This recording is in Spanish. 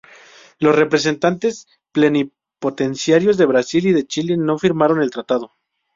Los representantes plenipotenciarios de Brasil y de Chile no firmaron el tratado.